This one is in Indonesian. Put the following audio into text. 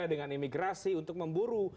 dengan imigrasi untuk memburu